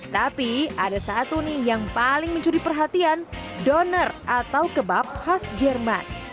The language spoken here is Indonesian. tapi ada satu nih yang paling mencuri perhatian doner atau kebab khas jerman